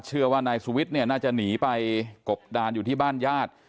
เชื่อว่านายสุวิทย์เนี่ยน่าจะหนีไปกบดานอยู่ที่บ้านญาติ